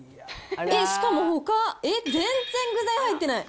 えっ、しかも、ほか、全然具材入ってない。